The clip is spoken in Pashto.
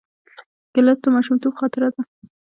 ګیلاس د ماشومتوب خاطره ده.